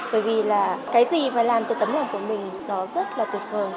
bởi vì là cái gì mà làm từ tấm lòng của mình nó rất là tuyệt vờ